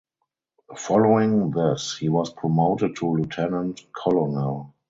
Following this he was promoted to lieutenant colonel.